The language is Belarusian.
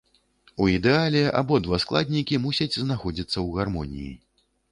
У ідэале абодва складнікі мусяць знаходзяцца ў гармоніі.